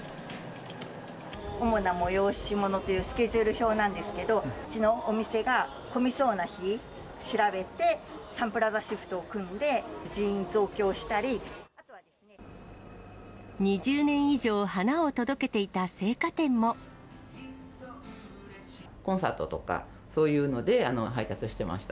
主な催し物というスケジュール表なんですけれども、うちのお店が混みそうな日、調べて、サンプラザシフトを組ん２０年以上、コンサートとかそういうので、配達をしていました。